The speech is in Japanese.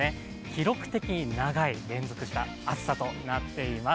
記録的長い連続した暑さとなっています。